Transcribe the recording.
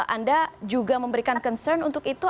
anda juga memberikan concern untuk itu